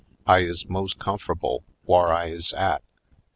I is mos' comfor'ble whar I is at.